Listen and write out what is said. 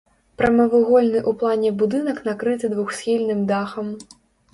Прамавугольны ў плане будынак накрыты двухсхільным дахам.